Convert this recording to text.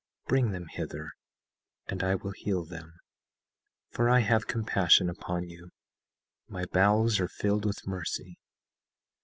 Bring them hither and I will heal them, for I have compassion upon you; my bowels are filled with mercy.